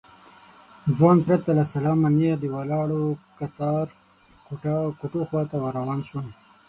ځوان پرته له سلامه نېغ د ولاړو کتار کوټو خواته ور روان شو.